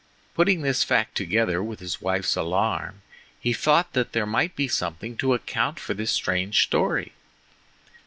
Putting this fact together with his wife's alarm, he thought that there might be something to account for the strange story.